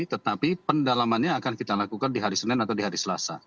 tetapi pendalamannya akan kita lakukan di hari senin atau di hari selasa